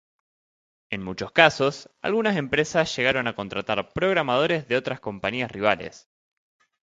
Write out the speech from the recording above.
En muchos casos, algunas empresas llegaron a contratar programadores de otras compañías rivales.